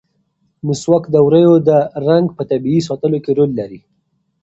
مسواک د ووریو د رنګ په طبیعي ساتلو کې رول لري.